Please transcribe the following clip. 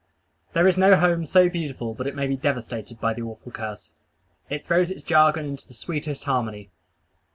There is no home so beautiful but it may be devastated by the awful curse. It throws its jargon into the sweetest harmony.